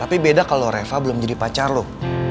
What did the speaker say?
tapi beda kalau reva belum jadi pacar loh